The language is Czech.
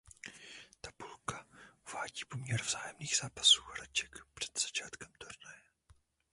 Tabulka uvádí poměr vzájemných zápasů hráček před začátkem turnaje.